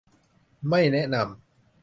ไม่แนะนำ